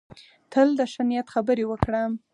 تل د ښه نیت خبرې وکړه.